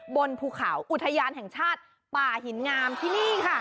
บนภูเขาอุทยานแห่งชาติป่าหินงามที่นี่ค่ะ